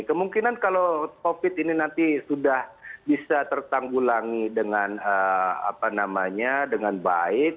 kemungkinan kalau covid ini nanti sudah bisa tertanggulangi dengan baik